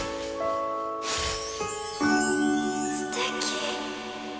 すてき！